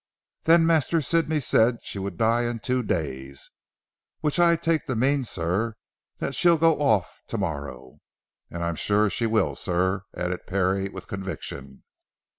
Then Master Sidney said she would die in two days, which I take to mean sir, that she'll go off to morrow. And I'm sure she will sir," added Parry with conviction.